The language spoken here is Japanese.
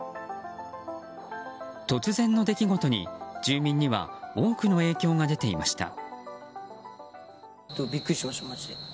突然の出来事に住民には多くの影響が出ていました。